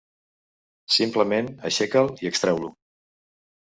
Simplement aixeca'l i extreu-lo.